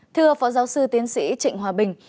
thưa phó giáo sư tiến sĩ trịnh hòa bình